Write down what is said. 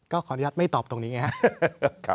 ขออนุญาตไม่ตอบตรงนี้ไงครับ